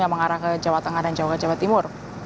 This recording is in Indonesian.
yang mengarah ke jawa tengah dan jawa timur